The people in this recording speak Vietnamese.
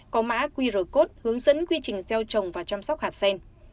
có mã qr code hướng dẫn quy trình gieo trồng và chăm sóc hạt sen